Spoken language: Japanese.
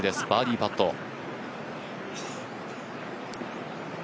バーディーパット。